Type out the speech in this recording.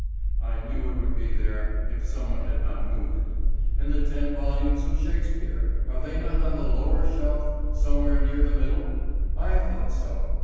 I knew it would be there if some one had not moved it. And the ten volumes of Shakespeare—are they not on the lower shelf somewhere near the middle? I thought so.